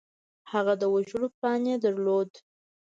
هغه د وژلو پلان یې درلود